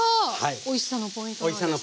おいしさのポイントですね。